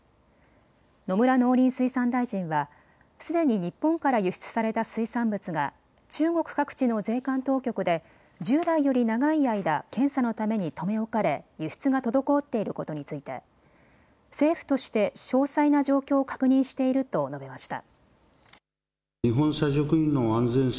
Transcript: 野村農林水産大臣はすでに日本から輸出された水産物が中国各地の税関当局で従来より長い間、検査のために留め置かれ輸出が滞っていることについて政府として詳細な状況を確認していると述べました。